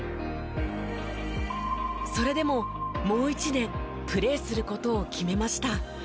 それでももう１年プレーする事を決めました。